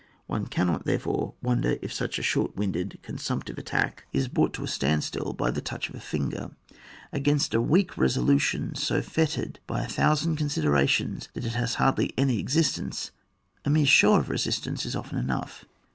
One cannot therefore wonder if such a short winded, consumptive attack ia OBXF. ym.] METHODS OP RESISTANCE. 93 brought to a standstill by the touch of a finger. Against a weak resolution so fettered by a thousand considerations, that it has hardly any existence, a mere show of resistance is often enough.